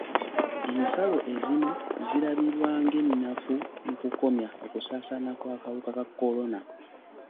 Ensalo ezimu zirabibwa ng'ennafu mu kukomya okusaasaana kw'akawuka ka kolona.